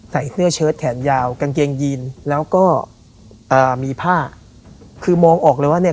ใส่เสื้อเชิดแขนยาวกางเกงยีนแล้วก็เอ่อมีผ้าคือมองออกเลยว่าเนี่ย